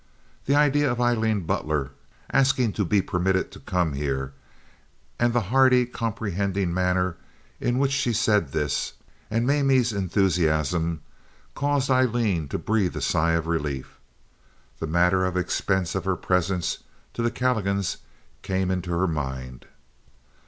The idea of Aileen Butler asking to be permitted to come here! And the hearty, comprehending manner in which she said this, and Mamie's enthusiasm, caused Aileen to breathe a sigh of relief. The matter of the expense of her presence to the Calligans came into her mind.